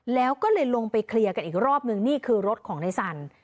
แล้วก็เลยลงไปเคลียร์กันอีกรอบนึงนี่คือรถของนายสัน